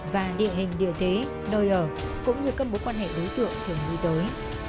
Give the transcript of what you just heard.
và địa hình địa thế nơi ở cũng như cân bố quan hệ đối tượng thường đi tới